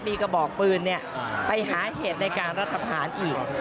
มีกระบอกปืนเนี่ยไปหาเหตุในการรัฐผ่านอีก